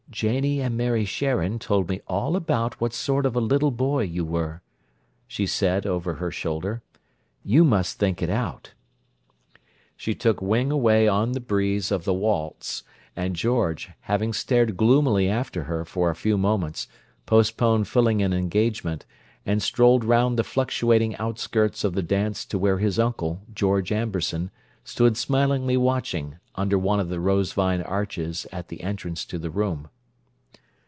"Janie and Mary Sharon told me all about what sort of a little boy you were," she said, over her shoulder. "You must think it out!" She took wing away on the breeze of the waltz, and George, having stared gloomily after her for a few moments, postponed filling an engagement, and strolled round the fluctuating outskirts of the dance to where his uncle, George Amberson, stood smilingly watching, under one of the rose vine arches at the entrance to the room.